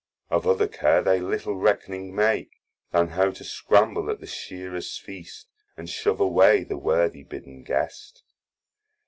Of other care they little reck'ning make, Then how to scramble at the shearers feast, And shove away the worthy bidden guest.